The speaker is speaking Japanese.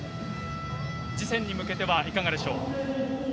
次戦に向けてはいかがでしょう？